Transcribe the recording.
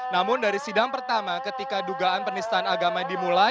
namun dari sidang pertama ketika dugaan penistaan agama dimulai